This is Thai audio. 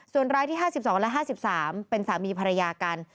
ส่วนรายที่๕๒และ๕๓เป็นสามีภรรยากัน